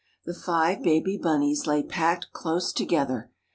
The five baby bunnies lay packed close together.